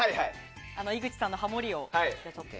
あの井口さんのハモリを。